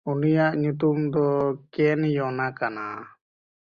ᱩᱱᱤᱭᱟᱜ ᱧᱩᱛᱩᱢ ᱫᱚ ᱠᱮᱱᱭᱚᱱᱟ ᱠᱟᱱᱟ᱾